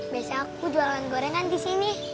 biasanya aku jualan gorengan di sini